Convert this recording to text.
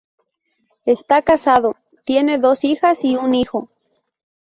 Está casado, tiene dos hijas y un hijo.